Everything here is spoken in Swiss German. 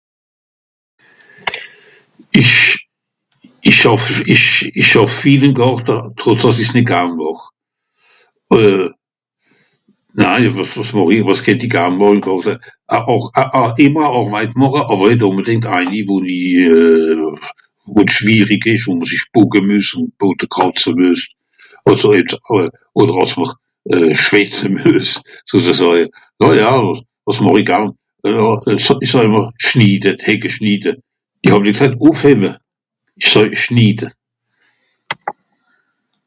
Ìch... ìch schàff... ìch...ìch schàff viel ìm Gàrte, trotz àss ì's nìt garn màch. Euh... Nei, w... w... wàs màch i, wàs kennt i garn màche ìm Gàrte. A... or... a... a... ìmmer Àrweit màcha àwer nìt ùnbedingt eini, wo-n-i... euh... wo schwierig ìsch ùn wo ìch bùcke mües ùn de Bodde kràtze mües. Àlso het's euh... ohne àss m'r... schwìtze mües, sozesàje. No ja àwer, wàs màch i garn ? Ìch sàà... ìch sàà ìmmer : ìch Schnide, d'Hecke schnide. ìch hàb nìt gsààt ufhewe, ìch sàj schide.